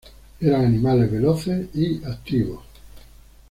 Eran animales veloces y activos.